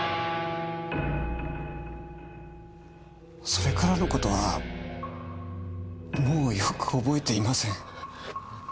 それからの事はもうよく覚えていません。